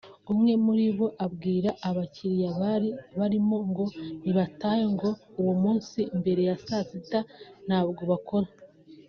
umwe muri bo abwira abakiliya bari barimo ngo nibatahe ngo uwo munsi mbere ya saa sita ntabwo bakora